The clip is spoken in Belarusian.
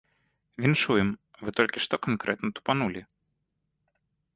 Віншуем, вы толькі што канкрэтна тупанулі.